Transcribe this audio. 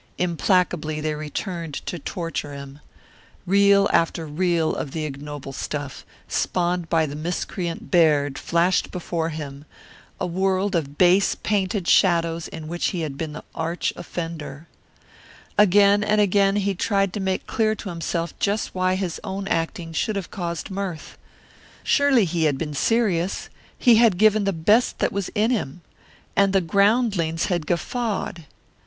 Implacably they returned to torture him. Reel after reel of the ignoble stuff, spawned by the miscreant, Baird, flashed before him; a world of base painted shadows in which he had been the arch offender. Again and again he tried to make clear to himself just why his own acting should have caused mirth. Surely he had been serious; he had given the best that was in him. And the groundlings had guffawed!